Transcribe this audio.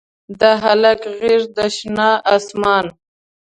د هلک غیږ د شنه اسمان